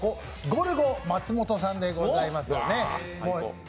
ゴルゴ松本さんでございますね。